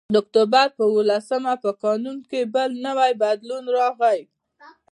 د اکتوبر په اوولسمه په قانون کې بل نوی بدلون راغی